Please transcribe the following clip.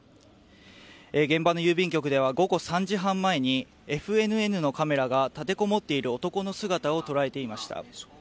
現場の郵便局では午後３時半前にＦＮＮのカメラが立てこもっている男の姿を捉えていました。